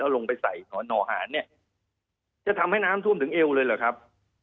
ลงไปใส่หนอนเนี่ยจะทำให้น้ำท่วมถึงเอวเลยเหรอครับ